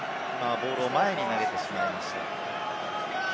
ボールを前に投げてしまいました。